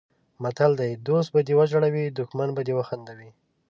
متل دی: دوست به دې وژړوي دښمن به دې وخندوي.